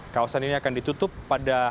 kawasan ini akan ditutup pada